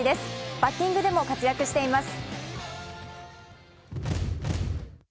バッティングでも活躍しています。